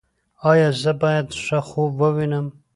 ایا زه باید ښه خوب ووینم؟